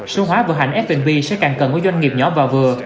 số hóa vận hành f b sẽ càng cần có doanh nghiệp nhỏ và vừa